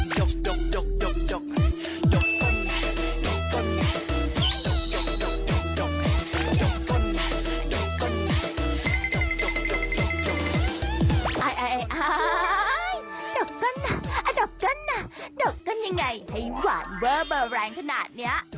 ดก้นหนักดกกันยังไงให้หวานเวอร์เบอร์แรงขนาดนี้